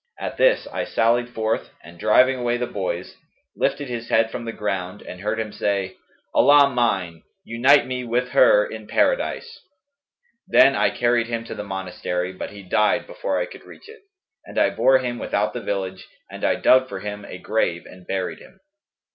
[FN#209] At this I sallied forth and driving away the boys, lifted his head from the ground and heard him say, 'Allah mine, unite me with her in Paradise!' Then I carried him to the monastery, but he died, before I could reach it, and I bore him without the village and I dug for him a grave and buried him.